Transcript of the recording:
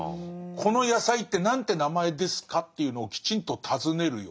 「この野菜って何て名前ですか？」というのをきちんと尋ねるように。